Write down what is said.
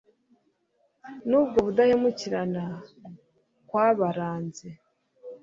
n'ubwo ukudahemukirana kwabaranze